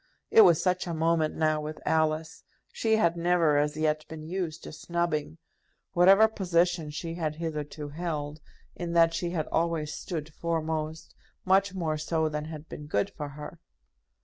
It was such a moment now with Alice. She had never as yet been used to snubbing. Whatever position she had hitherto held, in that she had always stood foremost, much more so than had been good for her.